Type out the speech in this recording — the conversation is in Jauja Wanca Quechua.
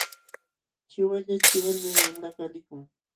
Chiwaylla chinwalmi wamlakaq likun.